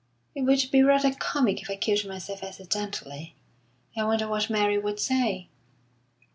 "It would be rather comic if I killed myself accidentally. I wonder what Mary would say?"